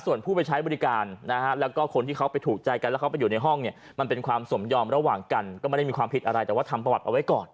ส่วนผู้ไปใช้บริการนะฮะแล้วก็คนที่เขาไปถูกใจกันแล้วเขาไปอยู่ในห้องเนี่ยมันเป็นความสมยอมระหว่างกันก็ไม่ได้มีความผิดอะไรแต่ว่าทำประวัติเอาไว้ก่อน